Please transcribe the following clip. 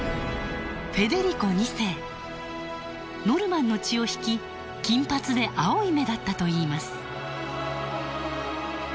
ノルマンの血を引き金髪で青い目だったといいます。